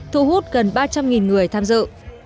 thu hút gần ba trăm linh người tham dự